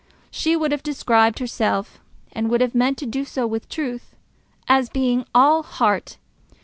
She would have described herself, and would have meant to do so with truth, as being all heart.